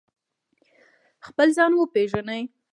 خپل ځان وپیژنئ